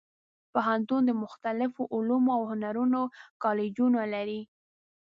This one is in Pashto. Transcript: پوهنتون د مختلفو علومو او هنرونو کالجونه لري.